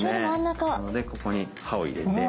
なのでここに刃を入れて。